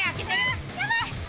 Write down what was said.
やばい！